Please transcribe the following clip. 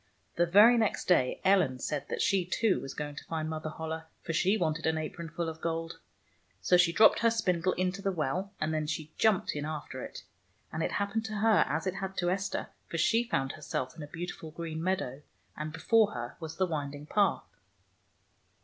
The very next day Ellen said that she, too, was going to find Mother Holle, for she wanted an apronful of gold. So she dropped her spindle into the well, and then she jumped in after it. And it happened to her as it had to Esther, for she found herself in a beautiful green meadow, and before her was the winding path.